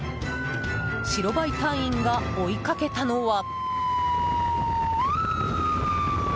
白バイ隊員が追いかけたのは。